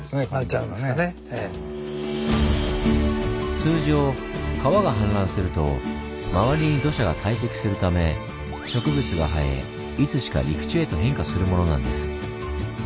通常川が氾濫すると周りに土砂が堆積するため植物が生えいつしか陸地へと変化するものなんです。